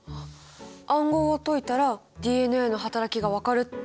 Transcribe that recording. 暗号を解いたらＤＮＡの働きが分かるってことですか？